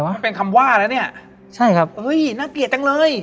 มันเป็นคำว่าแล้วเนี่ยใช่ครับเฮ้ยน่าเกลียดจังเลย